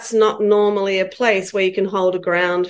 di mana anda bisa menempatkan peraturan untuk anak anak